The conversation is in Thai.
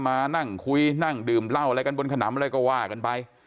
มานั่งคุยนั่งดื่มเหล้าอะไรกันบนขนำอะไรก็ว่ากันไป